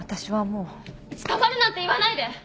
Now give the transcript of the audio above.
捕まるなんて言わないで。